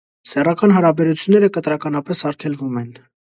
Սեռական հարաբերությունները կտրականապես արգելվում են։